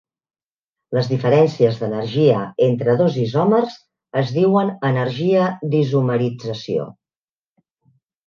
Les diferències d'energia entre dos isòmers es diuen energia d'isomerització.